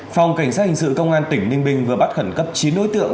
phòng cảnh sát hình sự công an tỉnh ninh bình vừa bắt khẩn cấp chín đối tượng